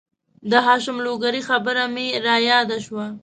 د هاشم لوګرې خبره مې را یاده شوه